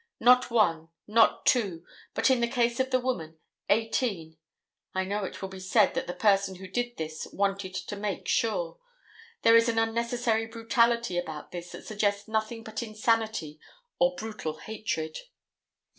Not one, not two, but in the case of the woman, eighteen. I know it will be said that the person who did this wanted to make sure. There is an unnecessary brutality about this that suggests nothing but insanity or brutal hatred.